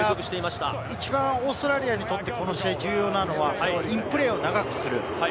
一番オーストラリアにとって、この試合重要なのは、インプレーを長くする。